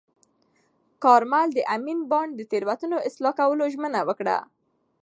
کارمل د امین بانډ د تېروتنو اصلاح کولو ژمنه وکړه.